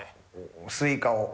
スイカを。